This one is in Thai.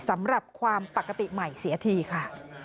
สำหรับความปกติใหม่เสียทีค่ะ